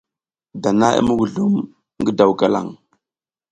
Dana i muguzlum ngi daw galang.